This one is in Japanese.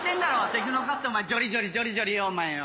テクノカットジョリジョリジョリジョリお前よぉ。